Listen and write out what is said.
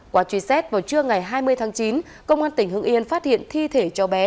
qua truy xét vào trưa ngày hai mươi tháng chín công an tỉnh hưng yên phát hiện thi thể cho bé